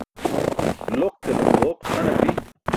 Loq ke lamboq han api.